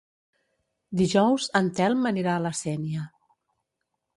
Dijous en Telm anirà a la Sénia.